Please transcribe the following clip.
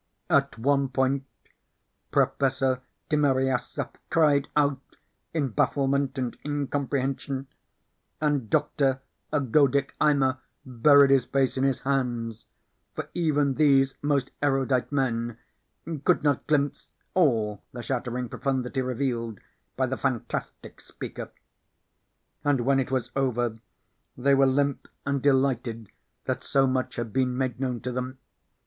At one point Professor Timiryaseff cried out in bafflement and incomprehension, and Doctor Ergodic Eimer buried his face in his hands, for even these most erudite men could not glimpse all the shattering profundity revealed by the fantastic speaker. And when it was over they were limp and delighted that so much had been made known to them.